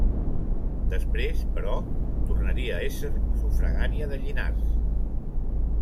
Després, però, tornaria a ésser sufragània de Llinars.